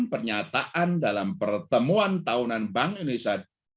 pernyataan dalam pertemuan tahunan bank indonesia